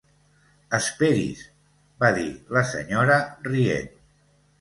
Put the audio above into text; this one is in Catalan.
Esperi's, va dir la senyora rient.